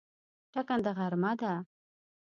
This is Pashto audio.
ټکنده غرمه ده